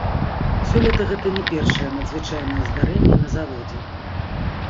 Сёлета гэта не першае надзвычайнае здарэнне на заводзе.